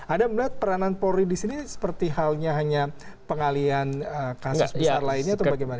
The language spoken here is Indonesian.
anda melihat peranan polri di sini seperti halnya hanya pengalian kasus besar lainnya atau bagaimana